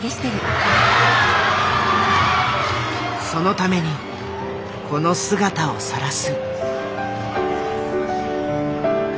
そのためにこの姿をさらす。